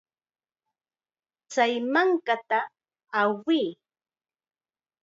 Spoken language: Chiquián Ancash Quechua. Chay mankata awiy.